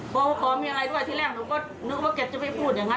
พอขอมีอะไรด้วยที่แรกหนูก็นึกว่าแกจะไปพูดอย่างนั้น